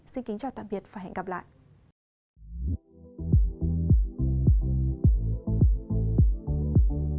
xin kính chào tạm biệt và hẹn gặp lại